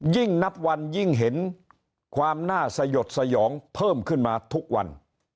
ยิ่งนับวันยิ่งเห็นความน่าสยดสยองเพิ่มขึ้นมาทุกวัน